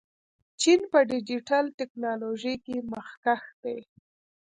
چین په ډیجیټل تکنالوژۍ کې مخکښ دی.